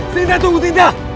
sinta tunggu sinta